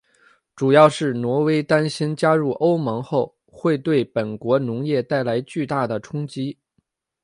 主要是挪威担心加入欧盟后会对本国农业带来巨大的冲击。